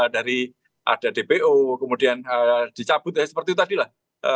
dari ada dpo kemudian dicabut seperti itu tadi lah